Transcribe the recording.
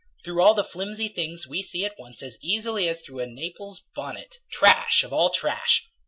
Through all the flimsy things we see at once As easily as through a Naples bonnet Trash of all trash!